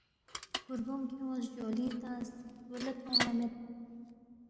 کھُوربونگ کھیونگس، جولنگ تنگس، سُو لہ تھونگما مید